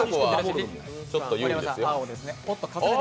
盛山さん、青ですね。